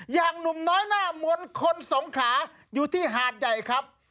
อย่างหนุ่มน้อยหน้ามวลคนสงขาอยู่ที่หาดใหญ่ครับ